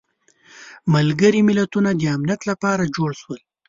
ملګري ملتونه د امنیت لپاره جوړ شول.